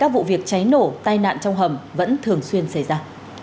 và rất thường xuyên xảy ra